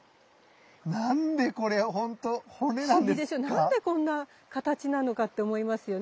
何でこんな形なのかって思いますよね。